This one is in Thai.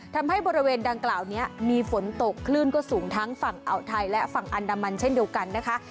ทำให้บริเวณดังกล่าวนี้มีฝนตกคลื่นก็สูงทั้งฝั่งอ่าวไทยและฝั่งอันดามันเช่นเดียวกันนะคะ